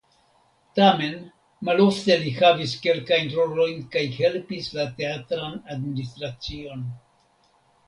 Tamen malofte li havis kelkajn rolojn kaj helpis la teatran administracion.